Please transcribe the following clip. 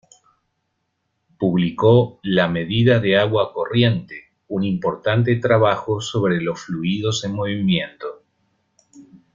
Publicó "La medida de agua corriente", un importante trabajo sobre los fluidos en movimiento.